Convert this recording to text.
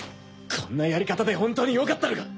こんなやり方で本当によかったのか？